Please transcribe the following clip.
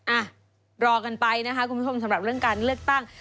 อ่ะรอกันไปนะคะคุณผู้ชมสำหรับเรื่องการเลือกตั้ง